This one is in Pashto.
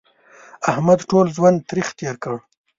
احمد ټول ژوند تریخ تېر کړ.